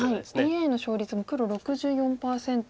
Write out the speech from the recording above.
ＡＩの勝率も黒６４％と。